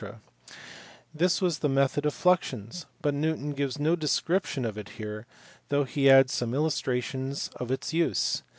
This was the method of fluxions ; but Newton gives no description of it here, though he adds some illustrations of its use.